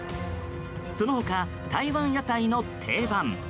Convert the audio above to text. その他、台湾屋台の定番。